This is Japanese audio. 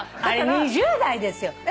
あれ２０代ですよ。